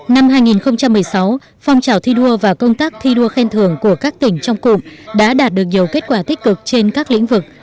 năm hai nghìn một mươi sáu phong trào thi đua và công tác thi đua khen thường của các tỉnh trong cụm đã đạt được nhiều kết quả tích cực trên các lĩnh vực